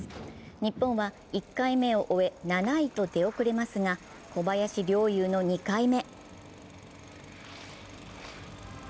日本は１回目を終え７位と出遅れますが小林陵侑の２回目。